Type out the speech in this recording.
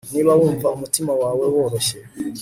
niba wumva umutima wawe woroshye